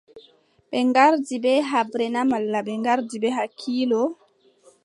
Ɓe ngardi bee haɓre na malla ɓe ngardi bee hakkiilo ?